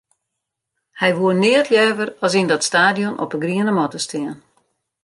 Hy woe neat leaver as yn dat stadion op 'e griene matte stean.